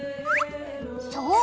そう。